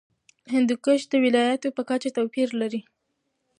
هندوکش د ولایاتو په کچه توپیر لري.